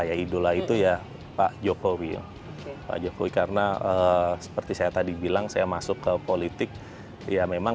ya idola itu ya pak jokowi pak jokowi karena seperti saya tadi bilang saya masuk ke politik ya memang